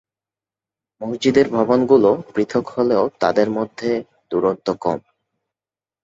মসজিদের ভবনগুলো পৃথক হলেও তাদের মধ্যে দূরত্ব কম।